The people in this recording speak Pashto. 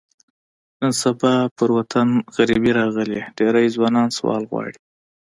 نن سبا په وطن غریبي راغلې، ډېری ځوانان سوال غواړي.